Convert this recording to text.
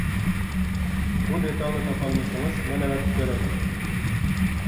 بۇ دېتالنى تاپالمىسىڭىز مەن ئەۋەتىپ بېرەي.